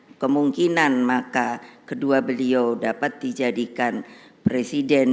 ada kemungkinan maka kedua beliau dapat dijadikan presiden